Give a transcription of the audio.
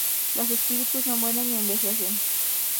Los espíritus no mueren ni envejecen.